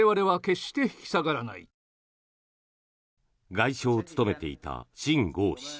外相を務めていた秦剛氏。